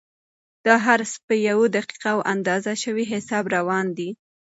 دا هر څه په یو دقیق او اندازه شوي حساب روان دي.